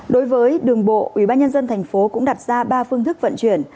đối với đường bộ ủy ban nhân dân tp hcm cũng đặt ra ba phương thức vận chuyển